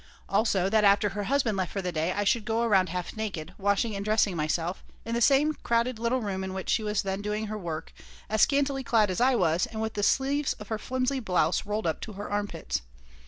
Also, that after her husband left for the day I should go around half naked, washing and dressing myself, in the same crowded little room in which she was then doing her work, as scantily clad as I was and with the sleeves of her flimsy blouse rolled up to her armpits.